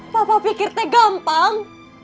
papa pikir teh gampang